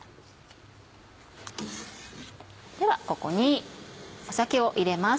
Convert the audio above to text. ではここに酒を入れます。